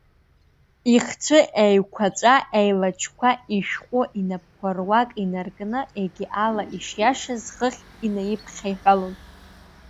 Ихцәы еиқәаҵәа еилачқәа ишәҟәы инапқәа руак инаркны егьи ала ишиашаз хыхь инаԥхьаиҳәалон.